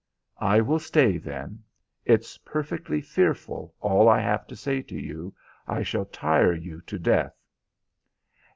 "I will stay, then. It's perfectly fearful, all I have to say to you. I shall tire you to death."